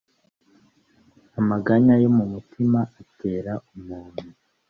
amaganya yo mu mutima atera umuntu